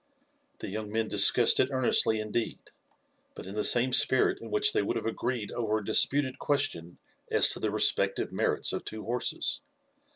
The young men discussed it earnestly, indeed, but in the same spirit in which they would have agreed over a disputed question as to the respective merits of two horses.